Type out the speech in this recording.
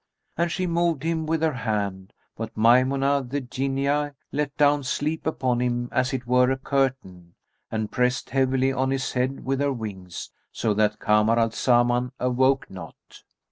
And she moved him with her hand; but Maymunah the Jinniyah let down sleep upon him as it were a curtain, and pressed heavily on his head with her wings so that Kamar al Zaman awoke not.